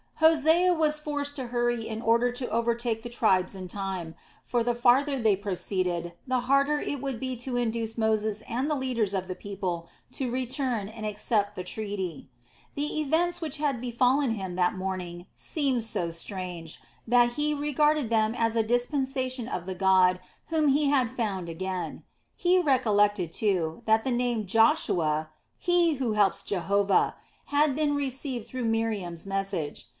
Hosea was forced to hurry in order to overtake the tribes in time; for the farther they proceeded, the harder it would be to induce Moses and the leaders of the people to return and accept the treaty. The events which had befallen him that morning seemed so strange that he regarded them as a dispensation of the God whom he had found again; he recollected, too, that the name "Joshua," "he who helps Jehovah," had been received through Miriam's message.